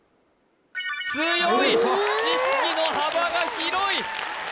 強い知識の幅が広いええ！？